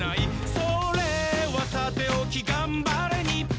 「それはさておきがんばれ日本」